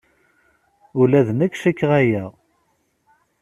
Ula d nekk cikkeɣ aya.